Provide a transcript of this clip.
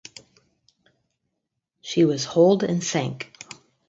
She was holed and sank.